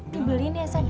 dibeliin ya sat ya